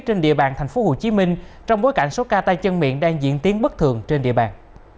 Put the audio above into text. trên địa bàn tp hcm trong bối cảnh số ca tay chân miệng đang diễn tiến bất thường trên địa bàn